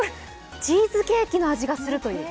チーズケーキの味がするという。